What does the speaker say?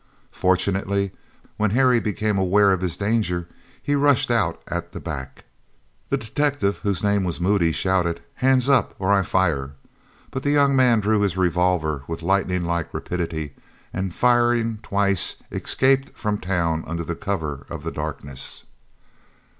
Fortunately when Harry became aware of his danger, he rushed out at the back. The detective, whose name was Moodie, shouted, "Hands up, or I fire," but the young man drew his revolver with lightning like rapidity and, firing twice, escaped from town under cover of the darkness.